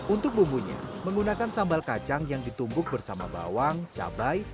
untuk bumbunya menggunakan sambal kacang yang ditumbuk bersama bawang cabai